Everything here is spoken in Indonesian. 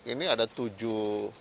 ini ada tujuh